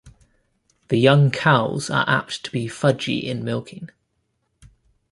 They young cows are apt to be fudgy in milking.